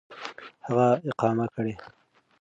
هغه اقامه كړي .